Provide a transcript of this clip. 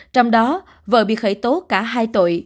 trong đó vợ bị khởi tố cả hai tội